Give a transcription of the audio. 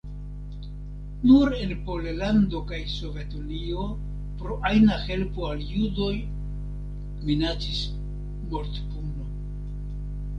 Nur en Pollando kaj Sovetunio pro ajna helpo al judoj minacis mortpuno.